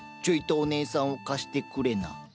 ちょいとお姉さんを貸してくれな。